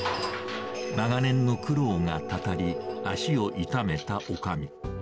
長年の苦労がたたり、足を痛めたおかみ。